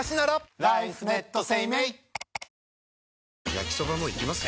焼きソバもいきます？